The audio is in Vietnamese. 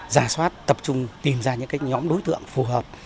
giả soát tập trung tìm ra những nhóm đối tượng phù hợp